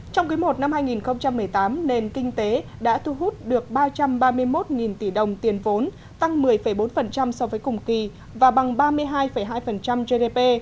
trong quý i năm hai nghìn một mươi tám nền kinh tế đã thu hút được ba trăm ba mươi một tỷ đồng tiền vốn tăng một mươi bốn so với cùng kỳ và bằng ba mươi hai hai gdp